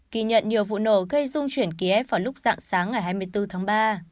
kỳ nhận nhiều vụ nổ gây dung chuyển kiev vào lúc dạng sáng ngày hai mươi bốn tháng ba